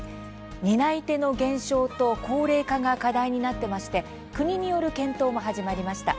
担い手の減少と高齢化が課題になっていまして国による検討も始まりました。